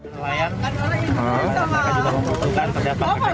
nelayan mereka juga memperuntukkan terhadap kkkm